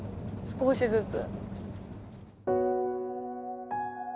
少しずつ。